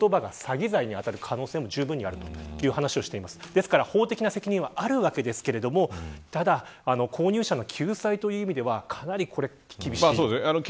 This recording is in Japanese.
ですから法的な責任はあるわけですがただ、購入者の救済という意味ではかなり厳しい。